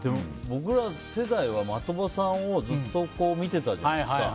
僕ら世代は的場さんをずっと見てたじゃないですか。